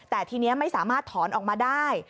แต่ทีนี้ไม่สามารถถอนออกมาได้